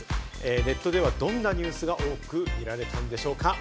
ネットではどんなニュースが多く見られたんでしょうか？